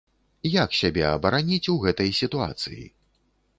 Як сябе абараніць ў гэтай сітуацыі?